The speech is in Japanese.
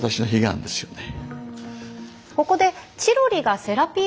ここでチロリがセラピー